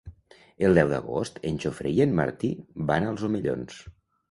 El deu d'agost en Jofre i en Martí van als Omellons.